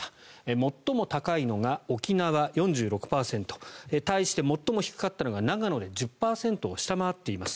最も高いのが沖縄、４６％対して最も低かったのが長野で１０％を下回っています。